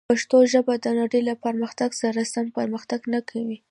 پښتو ژبه د نړۍ له پرمختګ سره سم پرمختګ نه کوي.